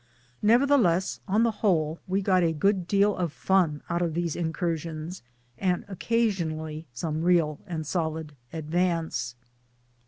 Nevertheless on the whole we got a good deal of fun out of these incursions, and occasionally some real and solid advance.